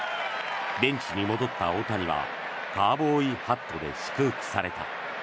ベンチに戻った大谷はカウボーイハットで祝福された。